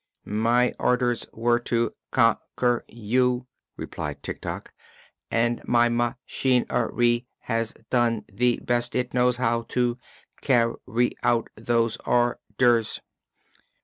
"My or ders were to con quer you," replied Tik Tok, "and my ma chin er y has done the best it knows how to car ry out those or ders."